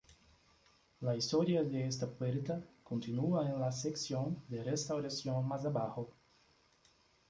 La historia de esta puerta continúa en la sección de restauración más abajo.